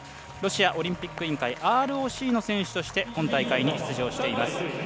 ロシアオリンピック委員会＝ＲＯＣの選手として今大会に出場しています。